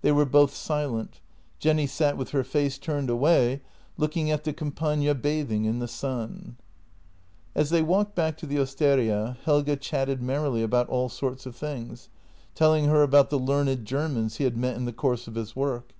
They were both silent. Jenny sat with her face turned away, looking at the Campagna bathing in the sun. As they walked back to the osteria, Helge chatted merrily about all sorts of things, telling her about the learned Germans he had met in the course of his work.